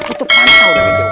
itu panah orang jawa